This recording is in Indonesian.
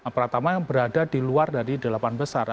pertama yang berada di luar dari delapan besar